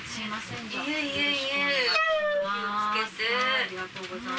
ありがとうございます。